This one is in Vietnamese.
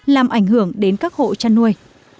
làm ảnh hưởng đến các hộ chăn nuôi